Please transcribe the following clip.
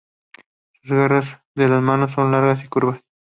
Las garras de las manos son largas y curvas.